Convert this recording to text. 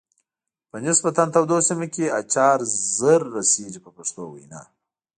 په نسبتا تودو سیمو کې اچار زر رسیږي په پښتو وینا.